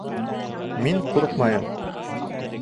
— Мин ҡурҡмайым.